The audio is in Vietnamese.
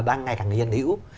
đang ngày càng nghiên cứu